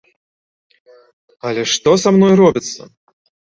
Але што са мной робіцца?